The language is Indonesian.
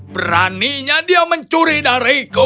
beraninya dia mencuri dariku